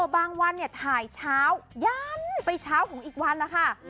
อ๋อบางวันเนี่ยถ่ายเช้ายันไปเช้าของอีกวันแล้วค่ะ